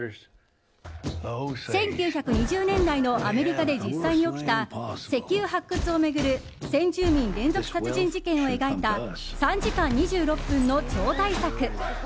１９２０年代のアメリカで実際に起きた、石油発掘を巡る先住民連続殺人事件を描いた３時間２６分の超大作。